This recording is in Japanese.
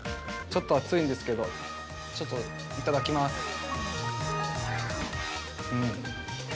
ちょっと熱いんですけどいただきます。